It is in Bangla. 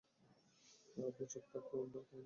আপনি চোখ থাকতে অন্ধ, তাই না?